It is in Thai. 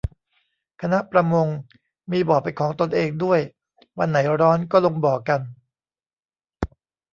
คณะประมง มีบ่อเป็นของตนเองด้วย วันไหนร้อนก็ลงบ่อกัน